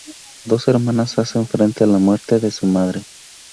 Dos hermanas hacen frente a la muerte de su madre.